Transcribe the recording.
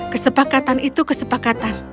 kesepakatan itu kesepakatan